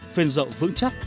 phên dậu vững chắc